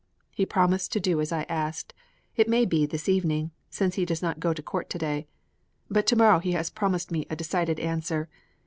He promised to do as I asked it may be this evening, since he does not go to court to day; but to morrow he has promised me a decided answer.